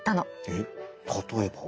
えっ例えば？